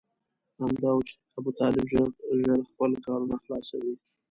همدا و چې ابوطالب ژر ژر خپل کارونه خلاصوي.